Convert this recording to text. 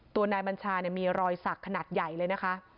นายบัญชามีรอยสักขนาดใหญ่เลยนะคะ